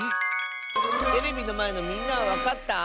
テレビのまえのみんなはわかった？